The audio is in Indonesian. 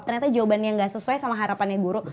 ternyata jawabannya nggak sesuai sama harapannya guru